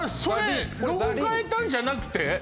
それロゴ変えたんじゃなくて？